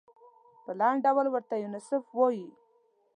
په لنډ ډول ورته یونیسف وايي.